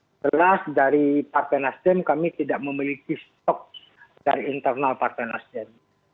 karena dari partai nasdem kami tidak memiliki stok dari internal partai nasdem